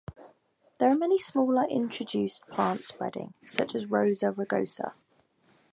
There are many smaller introduced plants spreading, such as rosa rugosa.